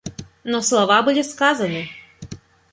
Но слова были сказаны.